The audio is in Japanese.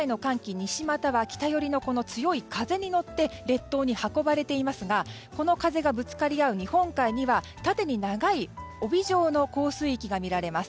西または北寄りの強い風に乗って列島に運ばれていますがこの風がぶつかり合う日本海には縦に長い帯状の降水域が見られます。